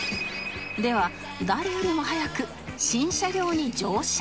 では誰よりも早く新車両に乗車